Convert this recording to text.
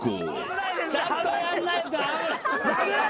ちゃんとやんないと。